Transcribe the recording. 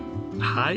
はい。